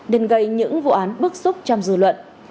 nên gây những vụ án bức xúc trong dư luận